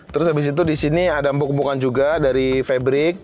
terus abis itu disini ada empuk empukan juga dari fabric